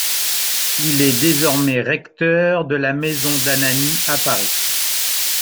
Il est désormais recteur de la Maison d'Ananie, à Paris.